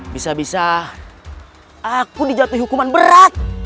bisa bisa aku dijatuhi hukuman berat